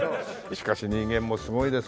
しかし人間もすごいですね。